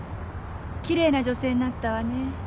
きれいな女性になったわね。